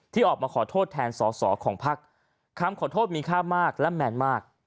ออกมาขอโทษแทนสอสอของภักดิ์คำขอโทษมีค่ามากและแมนมาก